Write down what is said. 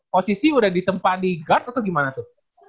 posisi udah ditempa di guard atau gimana tuh